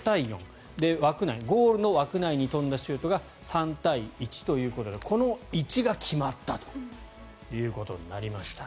枠内、ゴールの枠内に飛んだシュートが３対１ということでこの１が決まったということになりました。